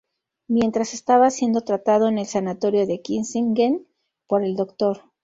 Mientras estaba siendo tratado en el sanatorio de Kissingen por el Dr.